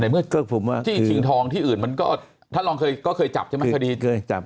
ในเมื่อจี้ชิงทองที่อื่นก็เคยจับกัน